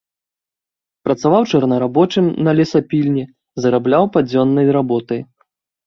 Працаваў чорнарабочым на лесапільні, зарабляў падзённай работай.